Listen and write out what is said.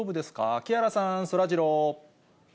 木原さん、そらジロー。